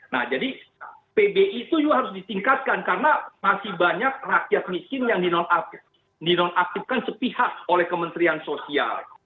nah jadi pbi itu juga harus ditingkatkan karena masih banyak rakyat miskin yang dinonaktifkan sepihak oleh kementerian sosial